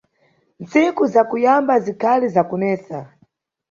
Ntsiku za kuyamba zikhali za kunesa.